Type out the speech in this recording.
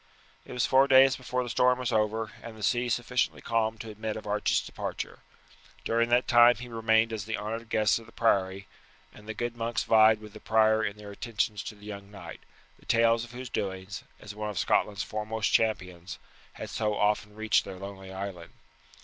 It was four days before the storm was over and the sea sufficiently calmed to admit of Archie's departure. During that time he remained as the honoured guest of the priory, and the good monks vied with the prior in their attentions to the young knight, the tales of whose doings, as one of Scotland's foremost champions, had so often reached their lonely island.